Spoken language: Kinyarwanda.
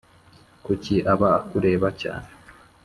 kuki aba akureba cyane